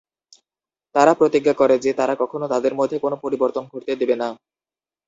তারা প্রতিজ্ঞা করে যে, তারা কখনো তাদের মধ্যে কোনো পরিবর্তন ঘটতে দেবে না।